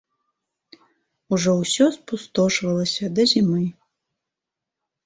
Ужо ўсё спустошвалася да зімы.